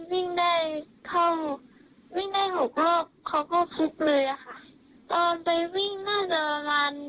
วิ่งได้เข้าวิ่งได้หกรอบเขาก็ฟุบเลยอะค่ะตอนไปวิ่งน่าจะประมาณ